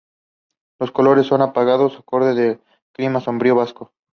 Los colores son apagados, acorde al clima sombrío vasco.